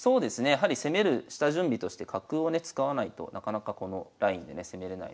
やはり攻める下準備として角をね使わないとなかなかこのラインでね攻めれないので。